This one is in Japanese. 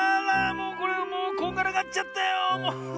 もうこれもうこんがらがっちゃったよ！